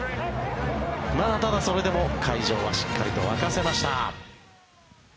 ただ、それでも会場はしっかりと沸かせました。